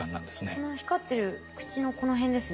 この光ってる口のこの辺ですね。